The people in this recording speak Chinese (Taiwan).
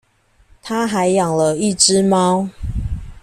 她還養了一隻貓